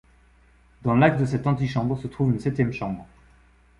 Dans l'axe de cette antichambre se trouve une septième chambre.